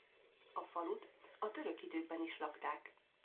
A falut a török időkben is lakták.